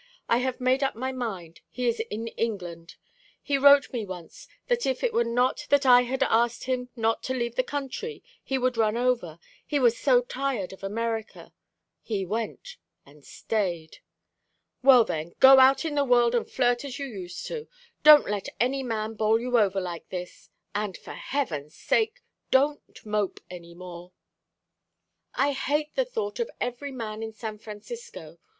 I have made up my mind. He is in England. He wrote me once that if it were not that I had asked him not to leave the country, he would run over, he was so tired of America. He went, and stayed." "Well, then, go out in the world and flirt as you used to. Don't let any man bowl you over like this; and, for Heaven's sake, don't mope any more!" "I hate the thought of every man in San Francisco.